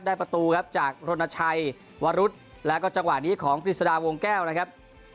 ประตูครับจากรณชัยวรุษแล้วก็จังหวะนี้ของกฤษฎาวงแก้วนะครับ